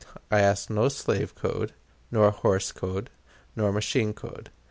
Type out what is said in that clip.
I ask no slave code, nor horse code, nor machine code.